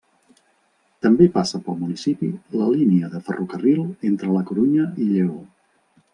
També passa pel municipi la línia de ferrocarril entre la Corunya i Lleó.